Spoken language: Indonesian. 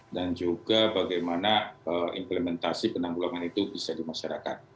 dan juga bagaimana implementasi penanggulangan itu bisa dimasyarakat